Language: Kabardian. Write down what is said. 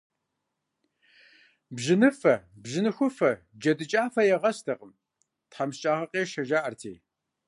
Бжьыныфэ, бжьыныхуфэ, джэдыкӀафэ ягъэстэкъым, тхьэмыщкӀагъэ къешэ, жаӀэрти.